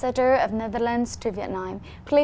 và tôi nghĩ rằng chúng tôi ở việt nam